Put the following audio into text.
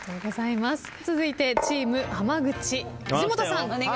続いてチーム浜口藤本さん。